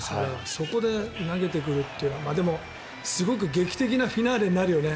そこで投げてくるというのはすごく劇的なフィナーレになるよね。